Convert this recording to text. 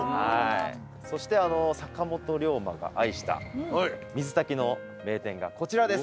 そしてあの坂本龍馬が愛した水炊きの名店がこちらです。